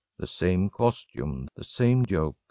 The same costume. The same joke.